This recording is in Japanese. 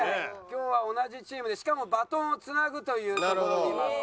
今日は同じチームでしかもバトンをつなぐというところにいます。